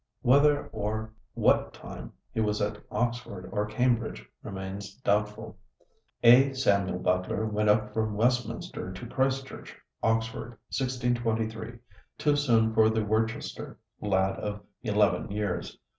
Whether or what time he was at Oxford or Cambridge remains doubtful. A Samuel Butler went up from Westminster to Christ Church, Oxford, 1623, too soon for the Worcester lad of eleven years.